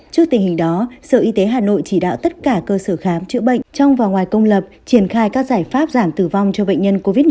trước tình hình đó sở y tế hà nội chỉ đạo tất cả cơ sở khám chữa bệnh trong và ngoài công lập triển khai các giải pháp giảm tử vong cho bệnh nhân covid một mươi chín